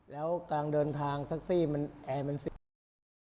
แล้วการเดินทางแท็กซี่มันแอร์มันเสีย